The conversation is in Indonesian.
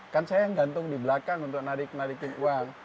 kan saya yang gantung di belakang untuk narik narikin uang